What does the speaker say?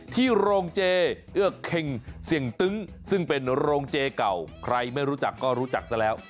ที่โรงเจเอื้อเค็งเสียงตึ้งซึ่งเป็นโรงเจเก่าใครไม่รู้จักก็รู้จักซะแล้ว